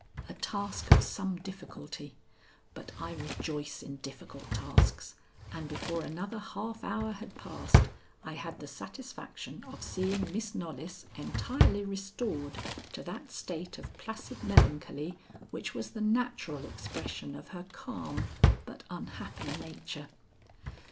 A task of some difficulty, but I rejoice in difficult tasks, and before another half hour had passed, I had the satisfaction of seeing Miss Knollys entirely restored to that state of placid melancholy which was the natural expression of her calm but unhappy nature.